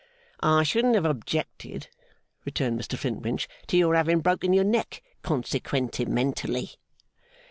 'I shouldn't have objected,' returned Mr Flintwinch, 'to your having broken your neck consequentementally.